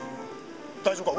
大丈夫か？